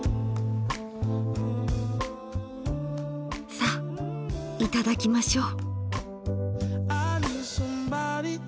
さあいただきましょう。